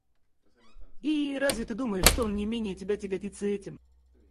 И разве ты думаешь, что он не менее тебя тяготится этим?